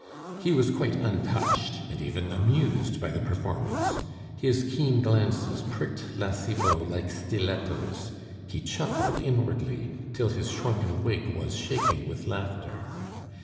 He was quite untouched, and even amused by the performance. His keen glances pricked La Cibot like stilettos; he chuckled inwardly, till his shrunken wig was shaking with laughter.